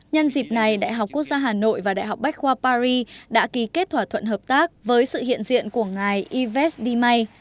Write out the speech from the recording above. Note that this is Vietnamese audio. nhân dịp này đại học quốc gia hà nội và đại học bách khoa paris đã ký kết thỏa thuận hợp tác với sự hiện diện của ngài ives de may